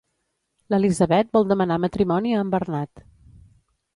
L'Elisabet vol demanar matrimoni a en Bernat.